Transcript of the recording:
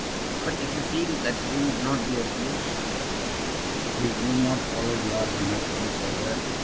"But if you feel that you would not be of use?" We need not follow the argument any further.